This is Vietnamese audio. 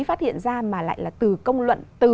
phát hiện ra mà lại là từ công luận từ